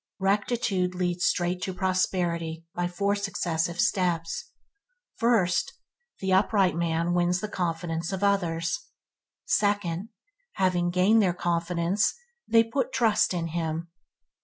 Rectitude leads straight to prosperity by four successive steps. First, the upright man wins the confidence of others. Second, having gained their confidence, they put trust in him.